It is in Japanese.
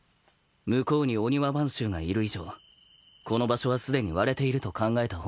向こうに御庭番衆がいる以上この場所はすでに割れていると考えた方がいい。